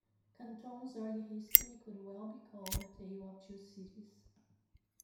Canton's early history could well be called a tale of two cities.